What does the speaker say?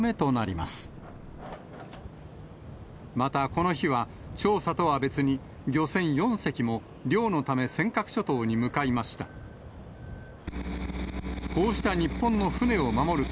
また、この日は調査とは別に、漁船４隻も漁のため尖閣諸島に向かいました。